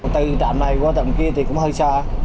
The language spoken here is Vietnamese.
từ trạm này qua trạm kia thì cũng hơi xa